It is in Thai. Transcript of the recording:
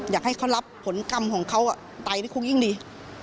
อยากให้เขารับผลกรรมของเขาไตนี่คงยิ่งดี